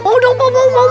mau dong pak mau mau